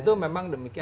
itu memang demikian